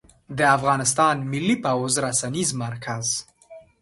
د افغانستان ملى پوځ رسنيز مرکز